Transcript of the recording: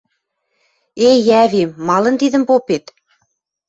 Эй, ӓви, малын тидӹм попет?